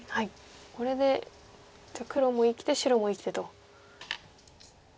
これでじゃあ黒も生きて白も生きてと。